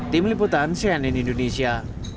tim liputan cnn indonesia